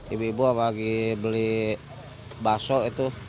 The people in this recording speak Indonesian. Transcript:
ibu ibu lagi beli baso itu